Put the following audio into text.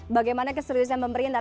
bagaimana keseriusan pemerintah